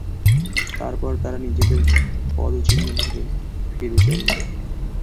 তারপর তারা নিজেদের পদচিহ্ন ধরে ফিরে চলল।